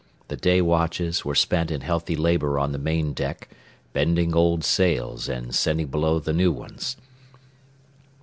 The day watches were spent in healthy labor on the main deck, bending old sails and sending below the new ones.